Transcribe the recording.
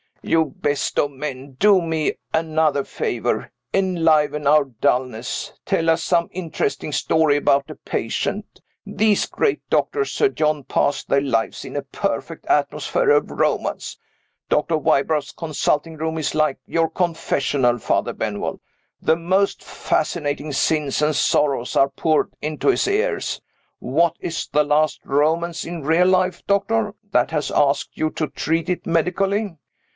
"You best of men! Do me another favor. Enliven our dullness. Tell us some interesting story about a patient. These great doctors, Sir John, pass their lives in a perfect atmosphere of romance. Dr. Wybrow's consulting room is like your confessional, Father Benwell. The most fascinating sins and sorrows are poured into his ears. What is the last romance in real life, doctor, that has asked you to treat it medically?